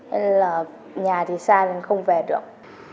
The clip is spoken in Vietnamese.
nên là nhà thì xa nên không về được